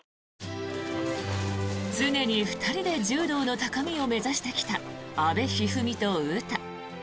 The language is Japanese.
常に２人で柔道の高みを目指してきた阿部一二三と詩。